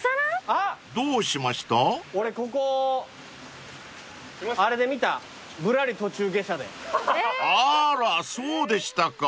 ［あーらそうでしたか］